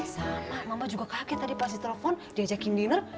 sama mama juga kaget tadi pas ditelepon diajakin dinner